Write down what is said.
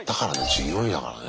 １４位だからね。